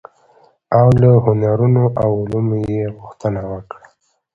او له هنرونو او علومو يې غوښتنه وکړه،